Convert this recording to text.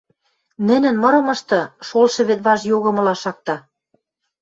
нӹнӹн мырымышты шолшы вӹд важ йогымыла шакта.